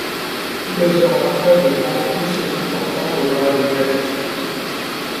Deux heures après, de grands cris se font entendre dans la dunette.